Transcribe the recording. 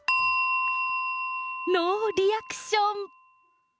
ノーリアクション。